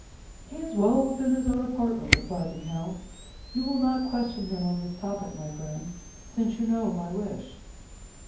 "He is well in his own apartment," replied the Count. "You will not question him on this topic, my friend, since you know my wish."